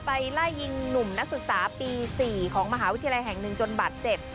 ไล่ยิงหนุ่มนักศึกษาปี๔ของมหาวิทยาลัยแห่งหนึ่งจนบาดเจ็บ